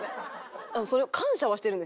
感謝はしてるんですよ。